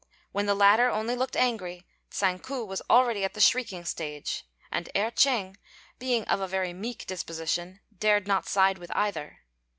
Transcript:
When the latter only looked angry, Tsang ku was already at the shrieking stage; and Erh ch'êng, being of a very meek disposition, dared not side with either.